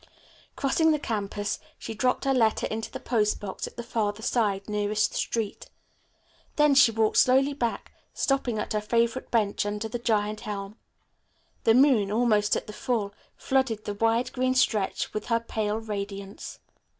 Crossing the campus, she dropped her letter into the post box at the farther side, nearest the street. Then she walked slowly back, stopping at her favorite bench under the giant elm. The moon, almost at the full, flooded the wide green stretch with her pale radiance.